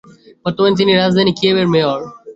বর্তমানে তিনি রাজধানী কিয়েভের মেয়র।